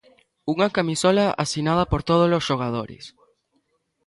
Unha camisola asinada por todos os xogadores.